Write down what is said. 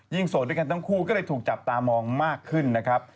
โสดด้วยกันทั้งคู่ก็เลยถูกจับตามองมากขึ้นนะครับ